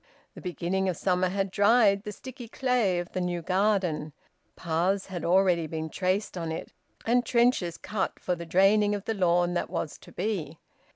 The beginning of summer had dried the sticky clay of the new garden; paths had already been traced on it, and trenches cut for the draining of the lawn that was to be.